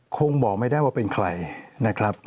คงบอกไม่ได้ว่าเป็นใคร